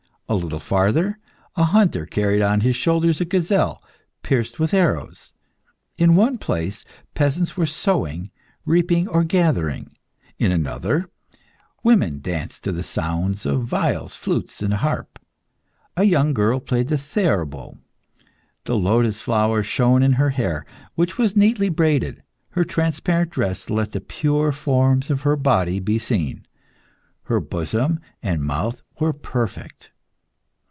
A little farther, a hunter carried on his shoulders a gazelle pierced with arrows. In one place, peasants were sowing, reaping, or gathering. In another, women danced to the sounds of viols, flutes, and harp. A young girl played the theorbo. The lotus flower shone in her hair, which was neatly braided. Her transparent dress let the pure forms of her body be seen. Her bosom and mouth were perfect.